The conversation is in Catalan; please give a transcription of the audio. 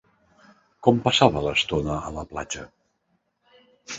Com passava l'estona a la platja?